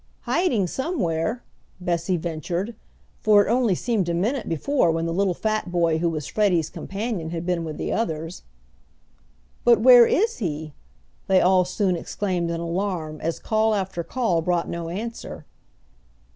"Hiding somewhere," Bessie ventured, for it only seemed a minute before when the little fat boy who was Freddie's companion had been with the others. "But where is he?" they all soon exclaimed in alarm, as call after call brought no answer.